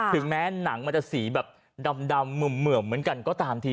ถึงแม้หนังมันจะสีแบบดำเหมื่อมเหมือนกันก็ตามที